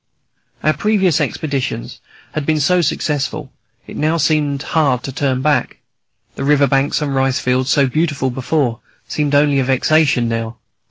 All our previous expeditions had been so successful it now seemed hard to turn back; the river banks and rice fields, so beautiful before, seemed only a vexation now.